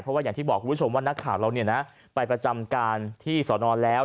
เพราะว่าอย่างที่บอกคุณผู้ชมว่านักข่าวเราเนี่ยนะไปประจำการที่สอนอนแล้ว